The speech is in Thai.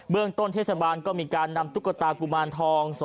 เรื่องต้นเทศบาลก็มีการนำตุ๊กตากุมารทอง